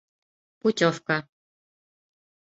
Путевка